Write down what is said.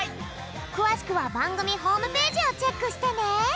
くわしくはばんぐみホームページをチェックしてね。